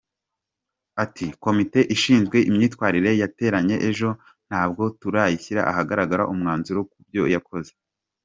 Ati “Komite ishinzwe imyitwarire yateranye ejo, ntabwo turashyira ahagaragara umwanzuro ku byo yakoze.